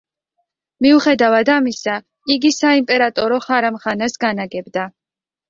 მიუხედავად ამისა, იგი საიმპერატორო ჰარამხანას განაგებდა.